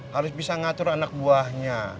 harus bisa ngatur anak buahnya